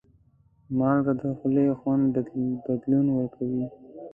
مالګه د خولې خوند بدلون ورکوي.